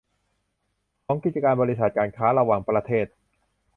ของกิจการบริษัทการค้าระหว่างประเทศ